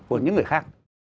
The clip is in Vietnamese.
của những người khác